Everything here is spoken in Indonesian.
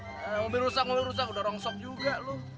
mobil rusak mobil rusak udah rongsok juga lo